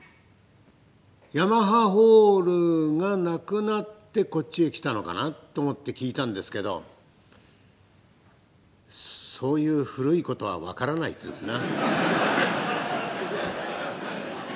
ヤマハホールがなくなってこっちへ来たのかなと思って聞いたんですけど「そういう古いことは分からない」と言うんですな。